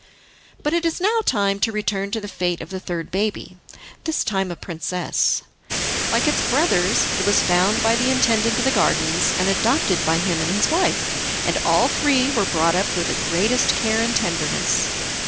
But it is now time to return to the fate of the third baby, this time a princess. Like its brothers, it was found by the intendant of the gardens, and adopted by him and his wife, and all three were brought up with the greatest care and tenderness.